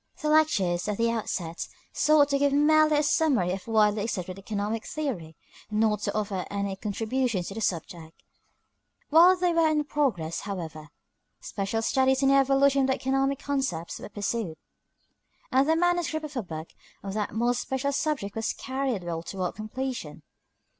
The lectures, at the outset, sought to give merely a summary of widely accepted economic theory, not to offer any contribution to the subject. While they were in progress, however, special studies in the evolution of the economic concepts were pursued, and the manuscript of a book on that more special subject was carried well toward completion.